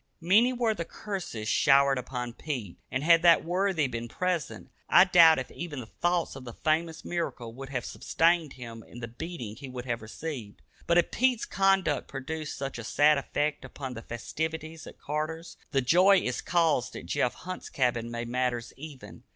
Many were the curses showered upon Pete, and had that worthy been present, I doubt if even the thought of the famous miracle would have sustained him in the beating he would have received. But if Pete's conduct produced such a sad effect upon the festivities at Carter's, the joy it caused at Jeff Hunt's cabin made matters even.